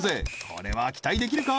これは期待できるか？